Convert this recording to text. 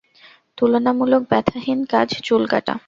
তূলনামূলক ব্যথাহীন কাজ চুল কাটা।